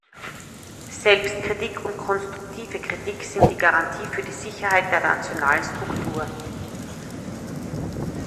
Selbstkritik und konstruktive Kritik sind die Garantie für die Sicherheit der nationalen Struktur.